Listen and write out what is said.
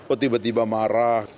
oh tiba tiba marah